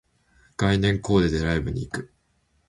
概念コーデでライブに行く